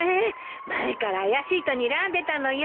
前から怪しいとにらんでたのよ。